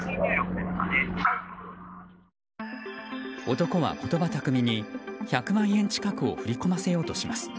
男は、言葉巧みに１００万円近くを振り込ませようとします。